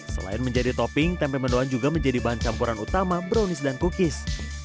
selain menjadi topping tempe mendoan juga menjadi bahan campuran utama brownies dan cookies